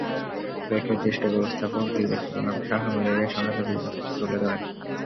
ব্র্যাকের জ্যেষ্ঠ ব্যবস্থাপক দিলীপ কুমার সাহা ম্যালেরিয়া–সংক্রান্ত বিভিন্ন তথ্য তুলে ধরেন।